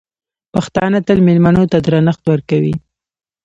پښتانه تل مېلمنو ته درنښت ورکوي.